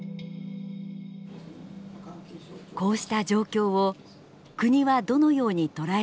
こうした状況を国はどのように捉えているのか。